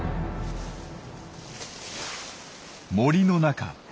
森の中。